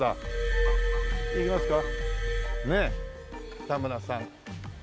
北村さん。